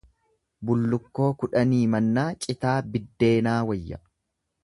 Bullukkoo kudhanii mannaa citaa biddeenaa wayya.